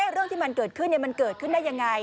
เรื่องที่มันเกิดขึ้นมันเกิดขึ้นได้ยังไง